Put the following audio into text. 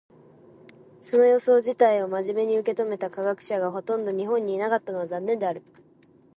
その予想自体を真面目に受け止めた科学者がほとんど日本にいなかったのは残念である。